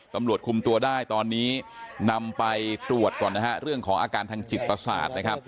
ตำรวจคุมตัวได้ตอนนี้นำไปตรวจต่อนะครับเรื่องของอาการทางจิตปศาจ